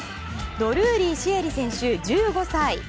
ドルーリー朱瑛里選手、１５歳。